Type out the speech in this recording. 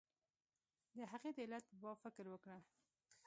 د هغې د علت په باب فکر وکړه.